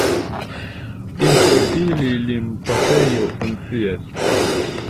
Inter ili limpasejo funkcias.